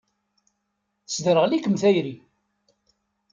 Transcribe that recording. Tesderɣel-ikem tayri.